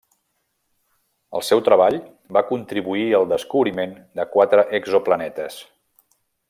El seu treball va contribuir al descobriment de quatre exoplanetes.